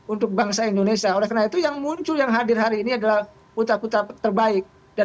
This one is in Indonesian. untuk bangsa indonesia oleh karena itu yang muncul yang hadir hari ini adalah putra putra terbaik dan